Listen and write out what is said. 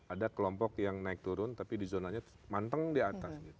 ada kelompok yang naik turun tapi di zonanya manteng di atas